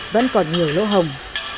vẫn còn nhiều lỗ hồng